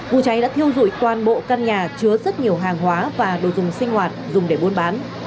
vụ cháy đã thiêu dụi toàn bộ căn nhà chứa rất nhiều hàng hóa và đồ dùng sinh hoạt dùng để buôn bán